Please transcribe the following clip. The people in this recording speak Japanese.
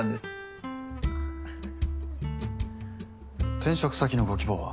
転職先のご希望は？